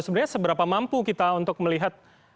sebenarnya seberapa mampu kita untuk melihat